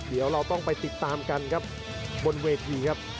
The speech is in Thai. เดี๋ยวเราต้องไปติดตามกันครับบนเวทีครับ